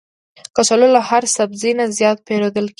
کچالو له هر سبزي نه زیات پېرودل کېږي